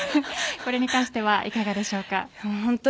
これに関してはいかがでしょうか？